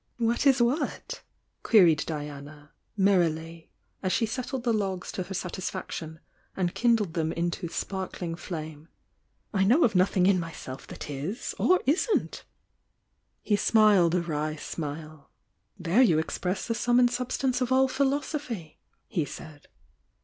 "What is what?" queried Diana, merrily, aa she settled the logs to her satisfaction, and kindled them into sparkling flame. "I know of nothing in myself that is, or isn't!" He smiled a wry smile. "There you express the sum and substance of all philosophy!" he said.